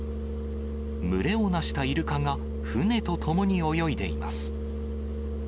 群れをなしたイルカが、船と共に泳いでいます。